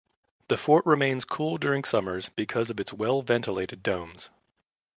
The fort remains cool during summers because of its well ventilated domes.